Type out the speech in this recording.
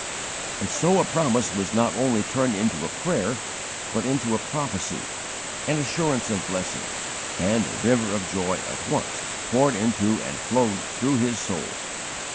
And so a promise was not only turned into a prayer, but into a prophecy an assurance of blessing and a river of joy at once poured into and flowed through his soul.